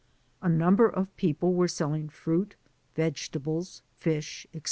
A number of people were selling fruit, vegetables, fish, &c.